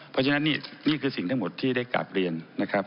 เพราะฉะนั้นนี่คือสิ่งทั้งหมดที่ได้กลับเรียนนะครับ